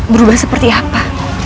berubah seperti apa